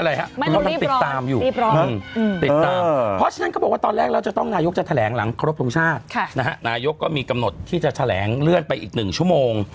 เป็นอะไรครับติดตามอยู่ติดตามเพราะฉะนั้นก็บอกว่าตอนแรกเราจะต้องนายกจะแถลงหลังครบทุกชาตินะฮะนายกก็มีกำหนดที่จะแถลงเลื่อนไปอีกหนึ่งชั่วโมง